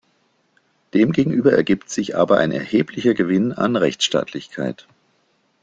Demgegenüber ergibt sich aber ein erheblicher Gewinn an Rechtsstaatlichkeit.